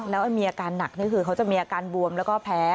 แล้วมีอาการหนักนี่คือเขาจะมีอาการบวมแล้วก็แพ้